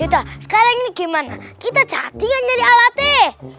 yaudah sekarang ini gimana kita jatuh gak nyari alatnya